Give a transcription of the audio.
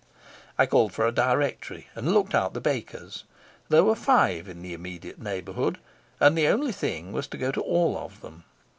I called for a directory and looked out the bakers. There were five in the immediate neighbourhood, and the only thing was to go to all of them.